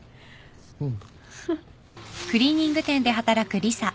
うん。